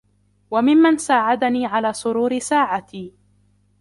وَمِمَّنْ سَاعَدَنِي عَلَى سُرُورِ سَاعَتِي